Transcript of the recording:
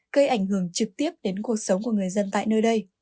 gây ảnh hưởng trực tiếp đến cuộc sống của người dân tại nơi đây